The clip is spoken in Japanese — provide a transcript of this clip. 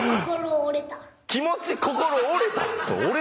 「気持ち心折れた」